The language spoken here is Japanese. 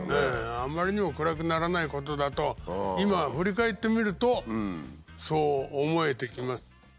あんまりにも暗くならないことだと今振り返ってみるとそう思えてきます。